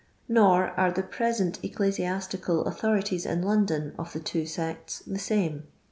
Nor are the present ecclesiastical authorities in London of the two sects the same.